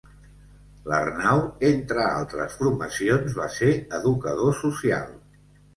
L'Arnau, entre altres formacions, va ser Educador Social.